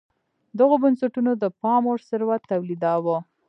دغو بنسټونو د پاموړ ثروت تولیداوه.